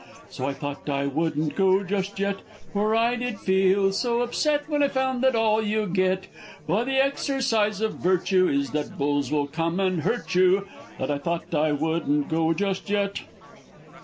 (So I thought I wouldn't go just yet.) For I did feel so upset, when I found that all you get By the exercise of virtue, is that bulls will come and hurt you! That I thought I wouldn't go just yet!